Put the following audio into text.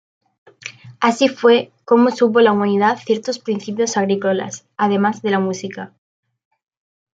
Así fue cómo supo la humanidad ciertos principios agrícolas, además de la música.